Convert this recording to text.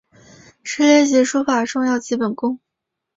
是练习书法的重要基本功。